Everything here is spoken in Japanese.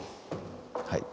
はい。